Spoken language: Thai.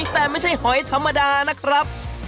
แต่ไม่ใช่หอยธรรมดานะครับ